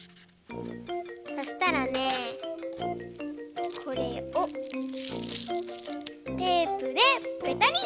そしたらねこれをテープでぺたり！